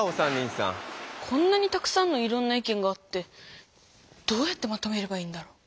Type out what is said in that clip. こんなにたくさんのいろんな意見があってどうやってまとめればいいんだろう？